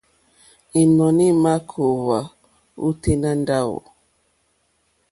Ínɔ̀ní í mà kòòwá ôténá ndáwù.